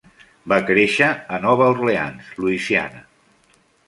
Va créixer a Nova Orleans, Louisiana.